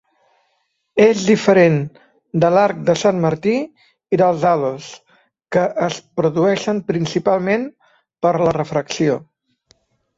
És diferent de l'arc de Sant Martí i dels halos, que es produeixen principalment per la refracció.